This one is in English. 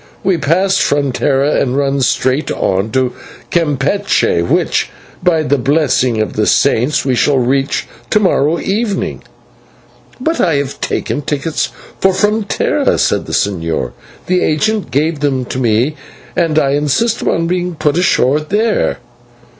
We pass Frontera and run straight on to Campeche, which, by the blessing of the Saints, we shall reach to morrow evening." "But I have taken a ticket for Frontera," said the señor. "The agent gave them to me, and I insist upon being put on shore there."